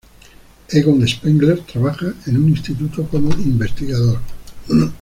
Egon Spengler trabaja en un instituto como investigador.